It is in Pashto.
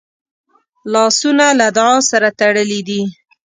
لاسونه له دعا سره تړلي دي